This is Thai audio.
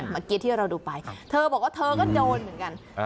เมื่อกี้ที่เราดูไปเธอบอกว่าเธอก็โดนเหมือนกัน